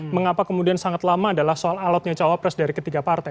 mengapa kemudian sangat lama adalah soal alatnya cawapres dari ketiga partai